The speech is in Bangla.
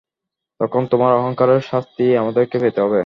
তখন তোমার অহংকারের শাস্তি আমাদেরকে পেতে হবে!